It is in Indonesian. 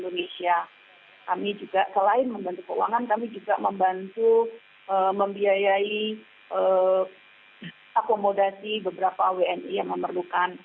dan kami juga membantu membayar akomodasi beberapa wni yang memerlukan